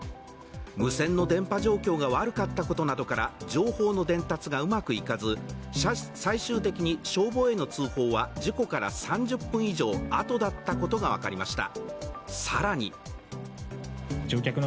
無線の電波状況が悪かったことなどから情報の伝達がうまくいかず、最終的に消防への通報は事故から３０分以上あとだったことが分かりました。